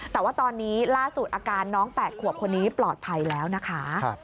แต่ว่าตอนนี้ล่าสุดอาการน้อง๘ขวบคนนี้ปลอดภัยแล้วนะคะ